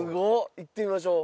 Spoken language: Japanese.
行ってみましょう。